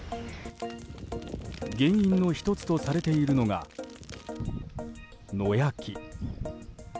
原因の１つとされているのが野焼き。